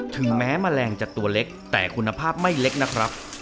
ถึงแม้แมลงจะตัวเล็กแต่คุณภาพไม่เล็กนะครับ